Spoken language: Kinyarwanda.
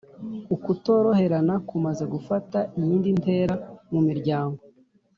ukutoroherana kumaze gufata iyindi ntera mu miryango